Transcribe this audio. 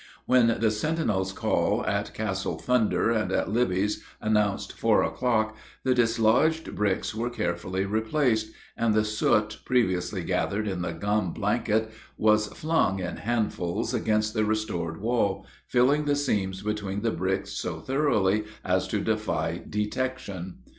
When the sentinel's call at Castle Thunder and at Libby announced four o'clock, the dislodged bricks were carefully replaced, and the soot previously gathered in the gum blanket was flung in handfuls against the restored wall, filling the seams between the bricks so thoroughly as to defy detection.